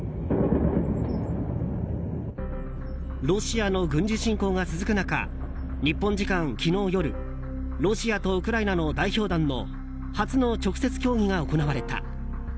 ロシアの軍事侵攻が続く中日本時間、昨日夜ロシアとウクライナの代表団の初の直接協議が行われた。